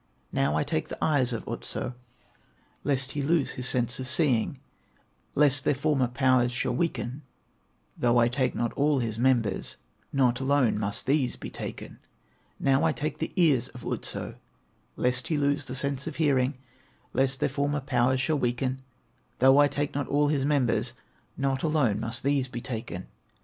"Now I take the eyes of Otso, Lest he lose the sense of seeing, Lest their former powers shall weaken; Though I take not all his members, Not alone must these be taken. "Now I take the ears of Otso, Lest he lose the sense of hearing, Lest their former powers shall weaken; Though I take not all his members, Not alone must these be taken.